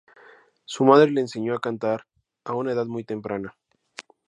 Su madre le enseñó a cantar a una edad muy temprana.